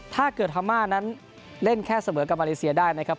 ถ้าเกิดฮามานั้นเล่นแค่เสมอกับมาเลเซียได้นะครับ